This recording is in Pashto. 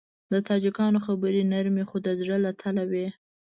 د تاجکانو خبرې نرمې خو د زړه له تله وي.